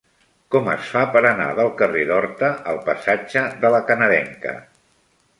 Com es fa per anar del carrer d'Horta al passatge de La Canadenca?